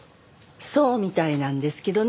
そうみたいなんですけどね。